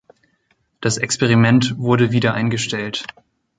Das Experiment wurde wieder eingestellt.